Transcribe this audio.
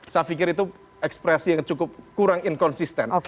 saya pikir itu ekspresi yang cukup kurang inkonsisten